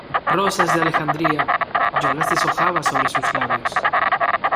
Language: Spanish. ¡ rosas de Alejandría, yo las deshojaba sobre sus labios!